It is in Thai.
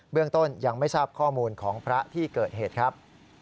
เรื่องต้นยังไม่ทราบข้อมูลของพระที่เกิดเหตุครับ